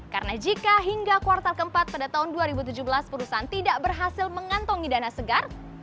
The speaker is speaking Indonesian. karena jika hingga kuartal keempat pada tahun dua ribu tujuh belas perusahaan tidak berhasil mengantongi dana segar